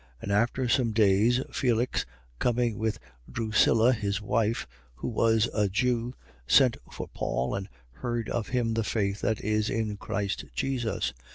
24:24. And after some days, Felix, coming with Drusilla his wife, who was a Jew, sent for Paul and heard of him the faith that is in Christ Jesus.